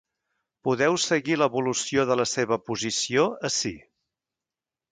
Podeu seguir l’evolució de la seva posició ací.